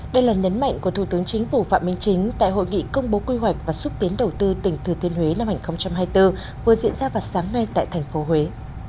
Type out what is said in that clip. đây là nhấn mạnh của thủ tướng chính phủ phạm minh chính tại hội nghị công bố quy hoạch và xúc tiến đầu tư tỉnh thừa thiên huế năm hai nghìn hai mươi bốn vừa diễn ra vào sáng nay tại thành phố huế